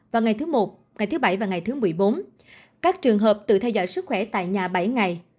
vào ngày thứ một ngày thứ bảy và ngày thứ một mươi bốn các trường hợp tự theo dõi sức khỏe tại nhà bảy ngày